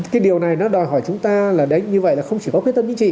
cái điều này nó đòi hỏi chúng ta là đấy như vậy là không chỉ có quyết tâm chính trị